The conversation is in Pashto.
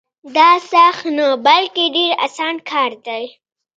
دا سخت نه بلکې ډېر اسان کار دی.